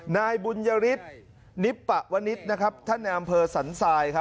นายบุญยฤทธิ์นิปปะวนิษฐ์ท่านในอำเภอสันทราย